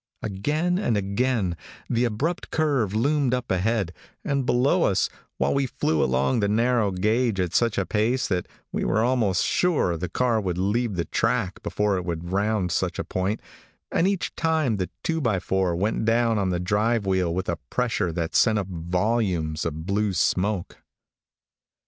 Again and again the abrupt curve loomed up ahead, and below us, while we flew along the narrow gauge at such a pace that we were almost sure the car would, leave the track before it would round such a point, and each time the two by four went down on the drive wheel with a pressure that sent up volumes of blue smoke.